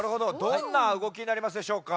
どんなうごきになりますでしょうか？